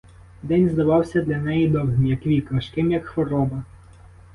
День здавався для неї довгим, як вік, важким, як хвороба.